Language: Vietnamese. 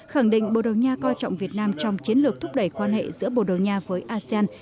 khẳng định bồ đầu nha coi trọng việt nam trong chiến lược thúc đẩy quan hệ giữa bồ đầu nha với asean